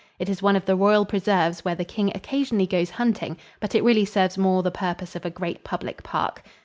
It is one of the royal preserves where the king occasionally goes hunting, but it really serves more the purpose of a great public park.